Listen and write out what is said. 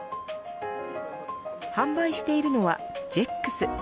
販売しているのはジェックス。